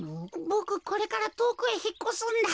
ボクこれからとおくへひっこすんだ。